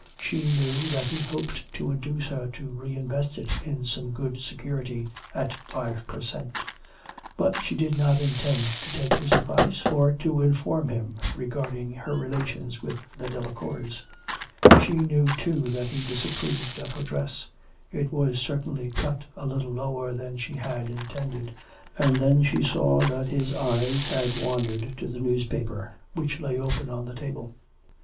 She knew that he hoped to induce her to re invest it in some good security at five per cent. But she did not intend to take his advice, or to inform him regarding her relations with the Delacours. She knew, too, that he disapproved of her dress: it was certainly cut a little lower than she had intended, and then she saw that his eyes had wandered to the newspaper, which lay open on the table.